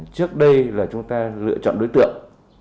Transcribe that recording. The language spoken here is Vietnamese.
trước đây là chúng ta lựa chọn đối tượng